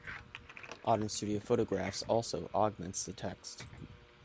Modern studio photographs also augments the text.